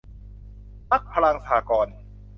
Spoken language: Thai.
พรรคพลังสหกรณ์